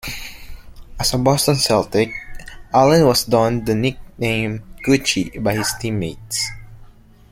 As a Boston Celtic, Allen was donned the nickname "Gucci" by his teammates.